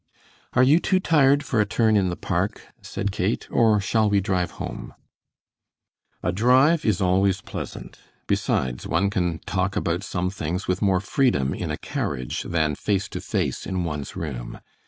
"Are you too tired for a turn in the park," said Kate, "or shall we drive home?" A drive is always pleasant. Besides, one can talk about some things with more freedom in a carriage than face to face in one's room.